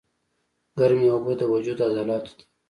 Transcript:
ګرمې اوبۀ د وجود عضلاتو ته